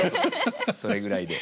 それぐらいで。